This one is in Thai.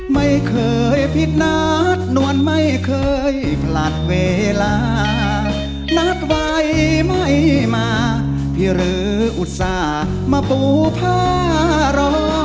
ไม่เคยผิดนัดนวลไม่เคยผลัดเวลานัดไว้ไม่มาพี่หรืออุตส่าห์มาปูผ้ารอ